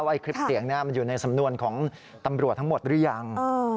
คลิปเสียงนี้มันอยู่ในสำนวนของตำรวจทั้งหมดหรือยัง